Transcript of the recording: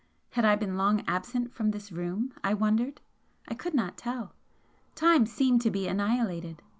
Had I been long absent from this room, I wondered? I could not tell. Time seemed to be annihilated.